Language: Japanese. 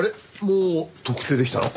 もう特定できたの？